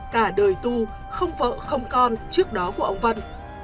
cả đời tu không vợ không con trước đó của ông vân